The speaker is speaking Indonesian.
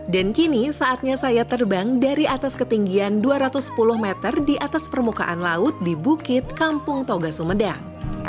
dan kini saatnya saya terbang dari atas ketinggian dua ratus sepuluh meter di atas permukaan laut di bukit kampung toga sumedang